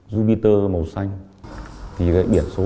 vừa mới tháo biển đó